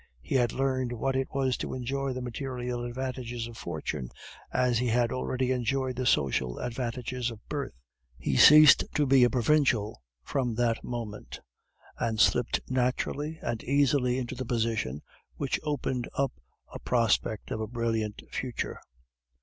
He had learned what it was to enjoy the material advantages of fortune, as he had already enjoyed the social advantages of birth; he ceased to be a provincial from that moment, and slipped naturally and easily into a position which opened up a prospect of a brilliant future.